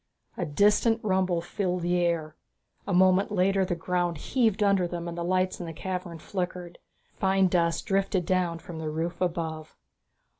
A distant rumble filled the air. A moment later the ground heaved under them and the lights in the cavern flickered. Fine dust drifted down from the roof above.